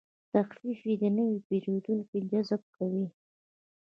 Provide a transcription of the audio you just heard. تخفیف د نوي پیرودونکو جذب کوي.